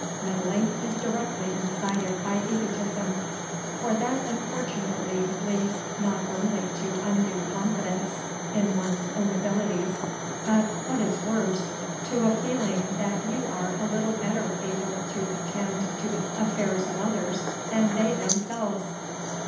Meddling is directly incited by egotism; for that unfortunately leads not only to undue confidence in one's own abilities, but, what is worse, to a feeling that you are a little better able to attend to the affairs of others than they themselves.